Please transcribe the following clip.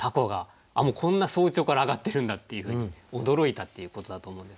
あっもうこんな早朝から揚がってるんだっていうふうに驚いたっていうことだと思うんですね。